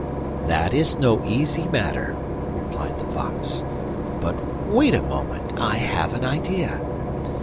'That is no easy matter,' replied the fox. 'But wait a moment. I have an idea.